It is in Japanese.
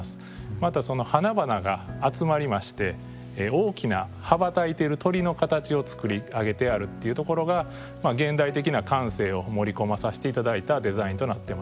またその花々が集まりまして大きな羽ばたいている鳥の形を作り上げてあるっていうところが現代的な感性を盛り込まさせて頂いたデザインとなってます。